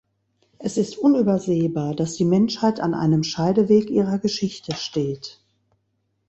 Es ist unübersehbar, dass die Menschheit an einem Scheideweg ihrer Geschichte steht.